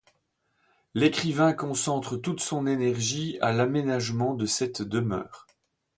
L'écrivain concentre toute son énergie à l'aménagement de cette demeure.